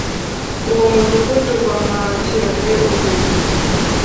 uwo mudugudu bamwakiranye urugwiro